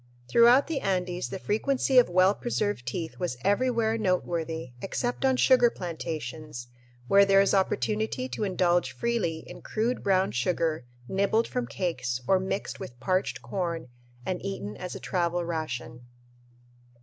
Throughout the Andes the frequency of well preserved teeth was everywhere noteworthy except on sugar plantations, where there is opportunity to indulge freely in crude brown sugar nibbled from cakes or mixed with parched corn and eaten as a travel ration.